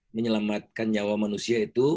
menyelamatkan nyawa manusia itu